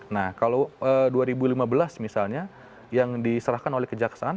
nah kalau dua ribu lima belas misalnya yang diserahkan oleh kejaksaan